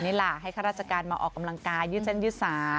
ล่ะให้ข้าราชการมาออกกำลังกายยืดเส้นยืดสา